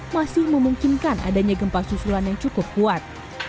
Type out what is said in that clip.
masih memungkinkan adanya gempa susulan yang cukup kuat